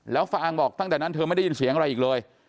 แล้วฟางบอกตั้งแต่นั้นเธอไม่ได้ยินเสียงอะไรอีกเลย